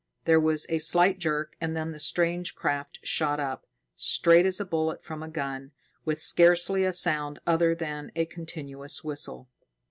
There was a slight jerk, and then the strange craft shot up, straight as a bullet from a gun, with scarcely a sound other than a continuous whistle.